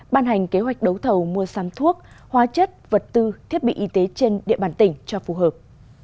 ban hành kế hoạch đấu thầu mua sắm thuốc hóa chất vật tư thiết bị y tế trên địa bàn tỉnh cho phù hợp